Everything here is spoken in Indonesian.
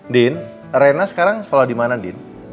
din rena sekarang sekolah dimana din